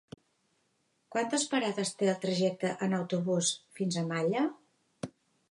Quantes parades té el trajecte en autobús fins a Malla?